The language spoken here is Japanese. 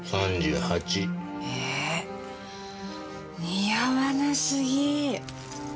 え似合わなすぎ。